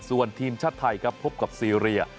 ส่วนทีมชาติไทยครับพบกับซีเรีย